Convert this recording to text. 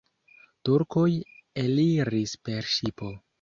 Turkoj eliris per ŝipo.